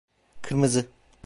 Kırmızı.